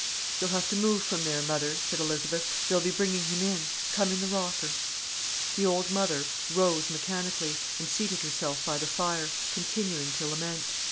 "You'll have to move from there, mother," said Elizabeth. "They'll be bringing him in. Come in the rocker." The old mother rose mechanically, and seated herself by the fire, continuing to lament.